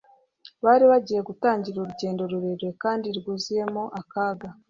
bari bagiye gutangira urugendo rurerure kandi rwuzuyemo akaga,